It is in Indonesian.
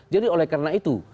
jadi oleh karena itu